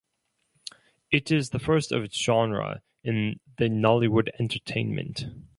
It is the first of its genre in the Nollywood Entertainment.